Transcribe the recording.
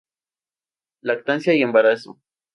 Lactancia y embarazo.